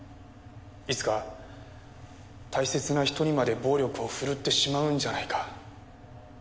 いつか大切な人にまで暴力を振るってしまうんじゃないか。